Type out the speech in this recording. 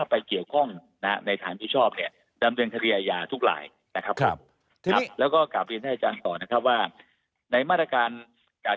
นะครับในขณะพิชาปเนี่ยดำเจียงทางเฝียร์ยาวทั่ว